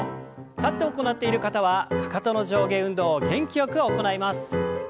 立って行っている方はかかとの上下運動を元気よく行います。